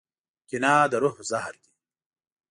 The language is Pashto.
کینه د روح زهر دي.